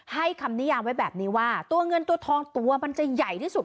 คำนิยามไว้แบบนี้ว่าตัวเงินตัวทองตัวมันจะใหญ่ที่สุด